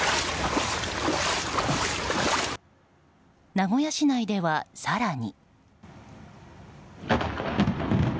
名古屋市内では、更に。